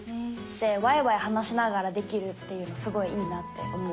ワイワイ話しながらできるっていうのすごいいいなって思う。